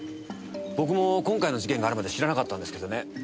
僕も今回の事件があるまで知らなかったんですけどね。